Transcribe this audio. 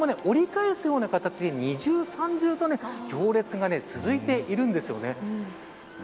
ここが折り返すような形で二重三重と行列が続いているんです。